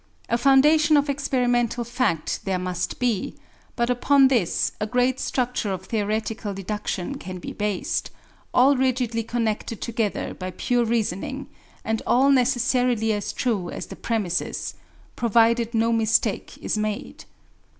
A foundation of experimental fact there must be; but upon this a great structure of theoretical deduction can be based, all rigidly connected together by pure reasoning, and all necessarily as true as the premises, provided no mistake is made.